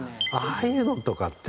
ああいうのとかって。